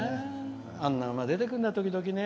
あんな馬が出てくるんだ時々ね。